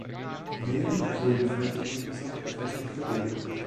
Neben Grünfläche gibt es auch befestigte Wege.